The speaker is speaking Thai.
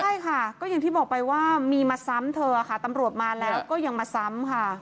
ใช่ค่ะก็อย่างที่บอกไปว่ามีมาซ้ำเธอค่ะตำรวจมาแล้วก็ยังมาซ้ำค่ะ